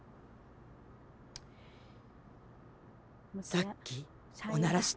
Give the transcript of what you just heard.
さっきおならした？